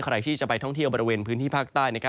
ใครที่จะไปท่องเที่ยวบริเวณพื้นที่ภาคใต้